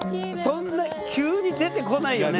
そんな急に出てこないよね？